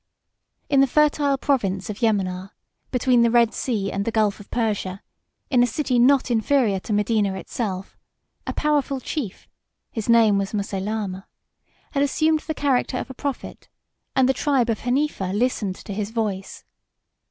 In the fertile province of Yemanah, 1 between the Red Sea and the Gulf of Persia, in a city not inferior to Medina itself, a powerful chief (his name was Moseilama) had assumed the character of a prophet, and the tribe of Hanifa listened to his voice.